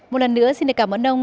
một lần nữa xin cảm ơn ông